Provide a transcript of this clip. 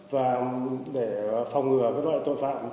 và để phòng ngừa các loại tội phạm trộm và đột nhập